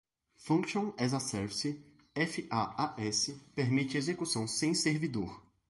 Function as a Service (FaaS) permite execução sem servidor.